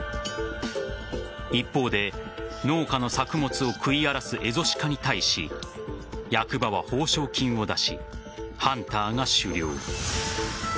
一方で農家の作物を食い荒らすエゾシカに対し役場は報奨金を出しハンターが狩猟。